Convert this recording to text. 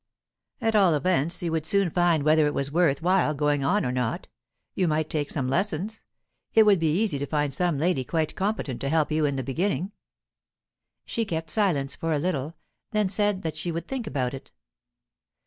"At all events, you would soon find whether it was worth while going on or not. You might take some lessons; it would be easy to find some lady quite competent to help you in the beginning." She kept silence for a little; then said that she would think about it.